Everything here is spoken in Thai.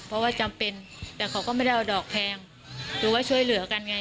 เพราะว่าจำเป็นแต่เขาก็ไม่ได้เอาดอกแพงหรือว่าช่วยเหลือกันไง